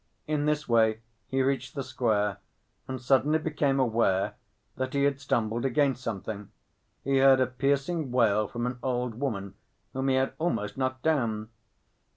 In this way he reached the square, and suddenly became aware that he had stumbled against something. He heard a piercing wail from an old woman whom he had almost knocked down.